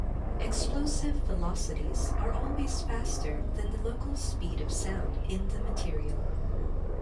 Explosive velocities are always faster than the local speed of sound in the material.